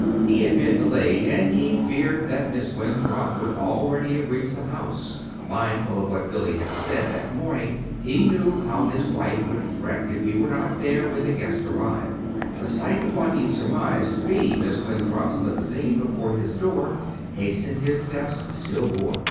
He had been delayed, and he feared that Miss Winthrop would already have reached the house. Mindful of what Billy had said that morning, he knew how his wife would fret if he were not there when the guest arrived. The sight of what he surmised to be Miss Winthrop's limousine before his door hastened his steps still more.